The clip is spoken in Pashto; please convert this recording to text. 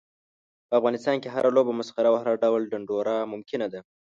په افغانستان کې هره لوبه، مسخره او هر ډول ډنډوره ممکنه ده.